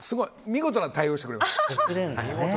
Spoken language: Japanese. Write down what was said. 見事な対応をしてくれる。